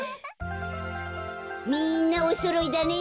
みんなおそろいだね。